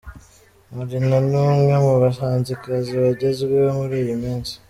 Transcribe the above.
Marina ni umwe mu bahanzikazi bagezweho muri iyi minsi.